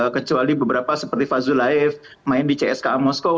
kecuali beberapa seperti fazul laif main di cska moskow